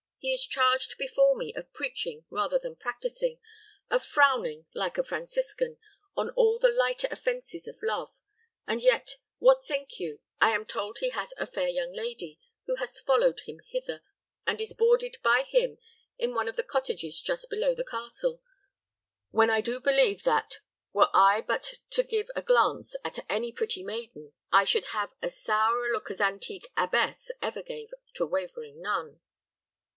He is charged before me of preaching rather than practicing, of frowning, like a Franciscan, on all the lighter offenses of love; and yet, what think you, I am told he has a fair young lady, who has followed him hither, and is boarded by him in one of the cottages just below the castle, when I do believe that, were I but to give a glance at any pretty maiden, I should have as sour a look as antique abbess ever gave to wavering nun."